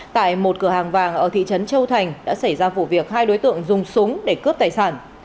tại một cửa hàng vàng ở thị trấn châu thành đã xảy ra vụ việc hai đối tượng dùng súng để cướp tài sản